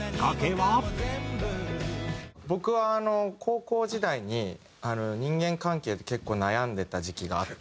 僕は高校時代に人間関係で結構悩んでた時期があって。